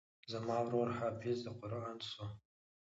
زما ورور حافظ د قران سو.